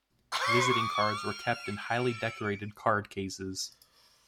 Visiting cards were kept in highly decorated card cases.